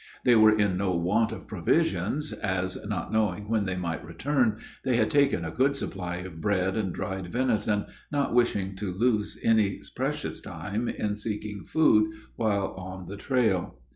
They were in no want of provisions, as, not knowing when they might return, they had taken a good supply of bread and dried venison, not wishing to loose any precious time in seeking food while on the trail.